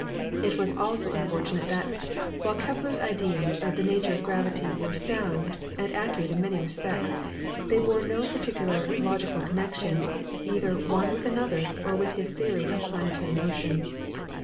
It was also unfortunate that, while Kepler's ideas of the nature of gravity were sound and accurate in many respects, they bore no particular logi cal connection either one with another or with his theory of planetary motion.